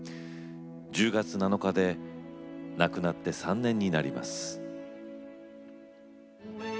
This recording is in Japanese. １０月７日で亡くなって３年になります。